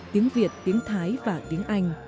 tiếng việt tiếng thái và tiếng anh